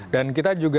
dan kita juga